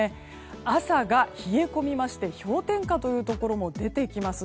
朝が冷え込みまして氷点下というところも出てきます。